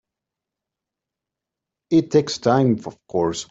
It takes time of course.